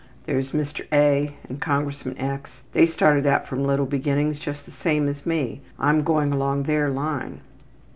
There's Mr. A. and Congressman X., they started out from little beginnings just the same as me. I'm going along their line.